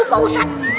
iya pak ustadz